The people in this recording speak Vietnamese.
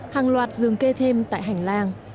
hàng loạt giường kê thêm tại hành làng